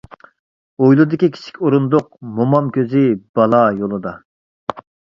ھويلىدىكى كىچىك ئورۇندۇق، موماي كۆزى بالا يولىدا.